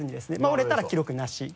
折れたら記録なし。